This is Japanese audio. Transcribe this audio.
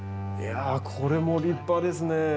いやこれも立派ですね。